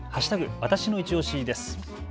わたしのいちオシです。